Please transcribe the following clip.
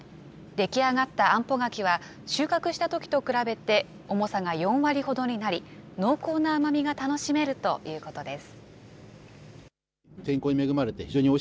出来上がったあんぽ柿は、収穫したときと比べて重さが４割ほどになり、濃厚な甘みが楽しめるということです。